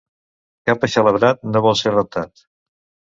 Cap eixelebrat no vol ser reptat.